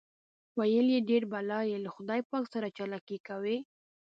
ویل یې ډېر بلا یې له خدای پاک سره چالاکي کوي.